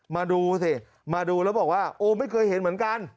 มาดูสิมาดูแล้วบอกว่าโอ้ไม่เคยเห็นเหมือนกัน